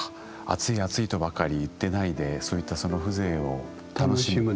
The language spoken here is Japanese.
暑い暑いとばかり言ってないでそういったその風情を楽しむ。